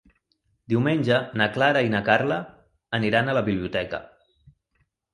Diumenge na Clara i na Carla aniran a la biblioteca.